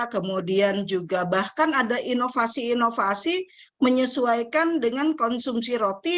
kemudian juga bahkan ada inovasi inovasi menyesuaikan dengan konsumsi roti